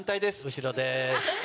後ろです。